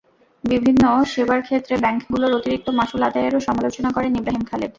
বিভিন্ন সেবার ক্ষেত্রে ব্যাংকগুলোর অতিরিক্ত মাশুল আদায়েরও সমালোচনা করেন ইব্রাহিম খালেদ।